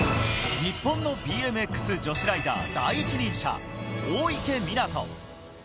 日本のＢＭＸ女子ライダー第一人者、大池水杜。